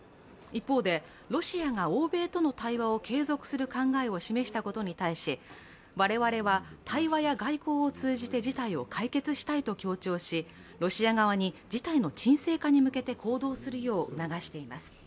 一方で、ロシアが欧米との対話を継続する考えを示したことに対し我々は対話や外交を通じて事態を解決したいと強調し、ロシア側に事態の沈静化に向けて行動するよう促しています。